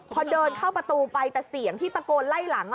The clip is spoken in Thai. พอเดินเข้าประตูไปแต่เสียงที่ตะโกนไล่หลัง